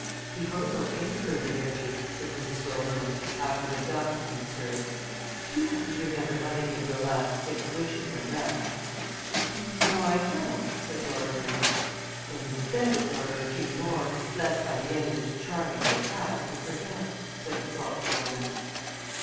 "Before we go any further, Richard," said Mrs. Wilbraham, after the duck had been served, "do you happen to remember how many of your last six wishes are left?" "No, I don't," said Wilbraham. "Then you had better order a few more lest by the end of this charming repast you forget," said the thoughtful woman.